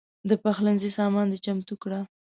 د پخلنځي سامان دې چمتو کړه.